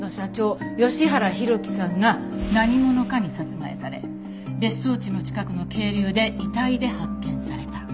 吉原弘樹さんが何者かに殺害され別荘地の近くの渓流で遺体で発見された。